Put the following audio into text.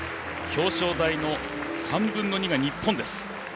表彰台の３分の２が日本です。